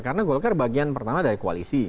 karena golkar bagian pertama dari koalisi